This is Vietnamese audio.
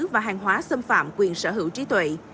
và hàng hóa xâm phạm quyền sở hữu trí tuệ